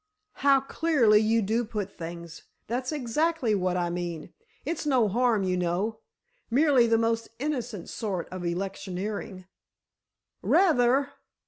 "How clearly you do put things! That's exactly what I mean. It's no harm, you know—merely the most innocent sort of electioneering——" "Rather!"